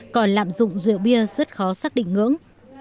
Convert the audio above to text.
còn lạm dụng rượu bia rất khó xác định ngưỡng